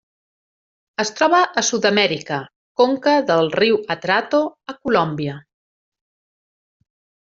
Es troba a Sud-amèrica: conca del riu Atrato a Colòmbia.